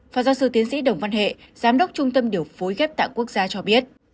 phó giáo sư tiến sĩ đồng văn hệ giám đốc trung tâm điều phối ghép tạng quốc gia cho biết